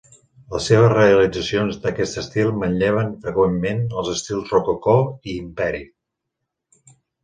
Les seves realitzacions d'aquest estil manlleven freqüentment als estils rococó i imperi.